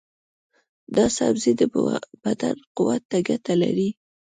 دا سبزی د بدن قوت ته ګټه لري.